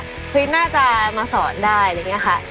เพราะว่าคุณพริกน่าจะมาสอนได้อะไรอย่างนี้ค่ะ